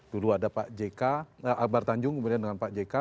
dulu ada pak jk akbar tanjung kemudian dengan pak jk